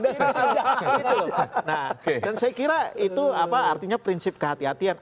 dan saya kira itu artinya prinsip kehatian